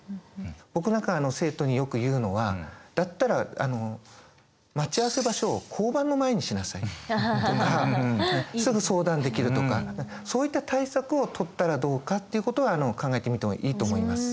僕なんか生徒によく言うのは「だったら待ち合わせ場所を交番の前にしなさい」とかすぐ相談できるとかそういった対策を取ったらどうかっていうことは考えてみてもいいと思います。